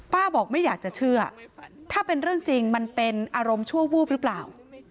บอกไม่อยากจะเชื่อถ้าเป็นเรื่องจริงมันเป็นอารมณ์ชั่ววูบหรือเปล่า